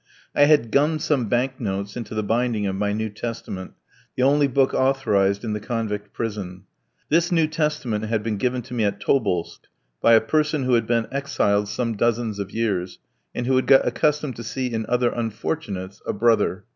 I had gummed some banknotes into the binding of my New Testament the only book authorised in the convict prison. This New Testament had been given to me at Tobolsk, by a person who had been exiled some dozens of years, and who had got accustomed to see in other "unfortunates" a brother.